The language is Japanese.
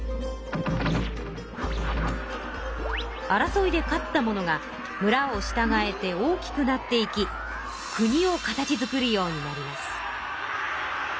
争いで勝った者がむらをしたがえて大きくなっていきくにを形づくるようになります。